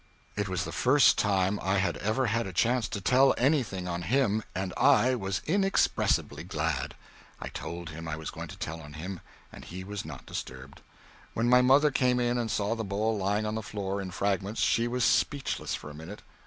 It was the first time I had ever had a chance to tell anything on him, and I was inexpressibly glad. I told him I was going to tell on him, but he was not disturbed. When my mother came in and saw the bowl lying on the floor in fragments, she was speechless for a minute.